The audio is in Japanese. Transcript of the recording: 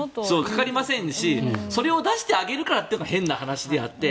かかりませんしそれを出してあげるというのが変な話であって。